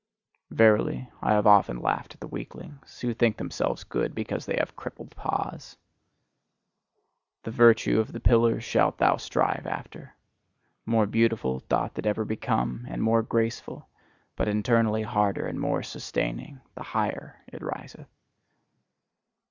Verily, I have often laughed at the weaklings, who think themselves good because they have crippled paws! The virtue of the pillar shalt thou strive after: more beautiful doth it ever become, and more graceful but internally harder and more sustaining the higher it riseth.